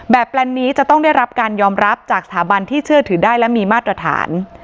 แปลนนี้จะต้องได้รับการยอมรับจากสถาบันที่เชื่อถือได้และมีมาตรฐาน